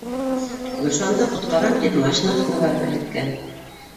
Гөлшанды ҡотҡарам тип машина аҫтына барып эләккән